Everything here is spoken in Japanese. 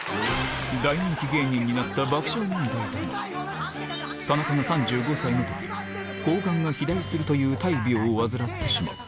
大人気芸人になった爆笑問題だが、田中が３５歳のとき、こう丸が肥大するという大病を患ってしまう。